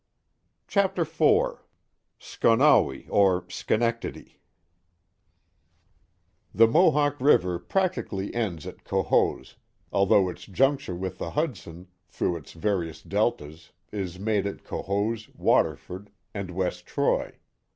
Chapter IV Schonowe or Schenectady THE Mohawk River practically ends at Cohoes, al though its juncture with the Hudson, through its various deltas, is made at Cohoes, Waterford, and West Troy.